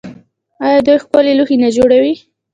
آیا دوی ښکلي لوښي نه جوړوي؟